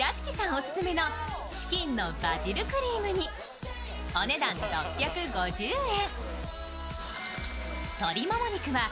オススメのチキンのバジルクリーム煮、お値段６５０円。